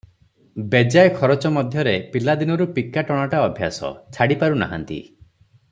ବେଜାୟ ଖରଚ ମଧ୍ୟରେ ପିଲାଦିନରୁ ପିକା ଟଣାଟା ଅଭ୍ୟାସ, ଛାଡ଼ିପାରୁ ନାହାନ୍ତି ।